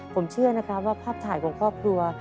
ผมเชื่อนะครับว่าภาพถ่ายของครอบครัว